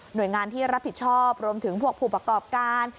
โดยงานที่รับผิดชอบรวมถึงพวกผู้ประกอบการ